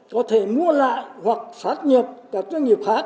có thể mua lại hoặc sát nhập các doanh nghiệp khác